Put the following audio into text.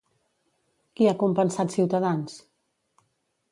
Qui ha compensat Ciutadans?